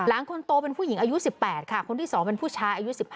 คนโตเป็นผู้หญิงอายุ๑๘ค่ะคนที่๒เป็นผู้ชายอายุ๑๕